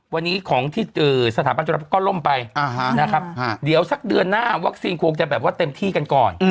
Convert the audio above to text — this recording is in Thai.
วันนี้ของที่สถาบันจุลภพก็ล่มไปนะครับเดี๋ยวสักเดือนหน้าวัคซีนคงจะแบบว่าเต็มที่กันก่อน